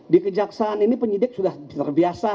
di kejaksaan ini penyidik sudah terbiasa